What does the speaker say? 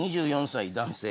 ２４歳男性。